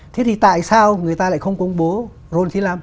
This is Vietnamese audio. thế thì tại sao người ta lại không công bố rôn chín mươi năm